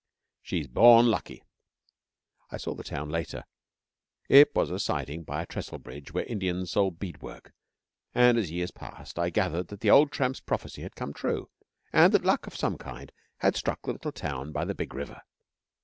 She's born lucky.' I saw the town later it was a siding by a trestle bridge where Indians sold beadwork and as years passed I gathered that the old tramp's prophecy had come true, and that Luck of some kind had struck the little town by the big river.